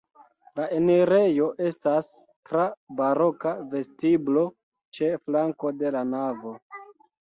La enirejo estas tra baroka vestiblo ĉe flanko de la navo.